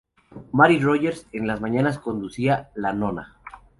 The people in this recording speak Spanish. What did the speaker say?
Mary Rogers en las mañanas conducía ""La nona"".